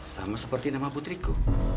sama seperti nama putriku